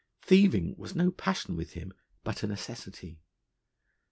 Thieving was no passion with him, but a necessity.